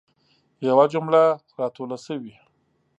یوه جمله را توله سوي.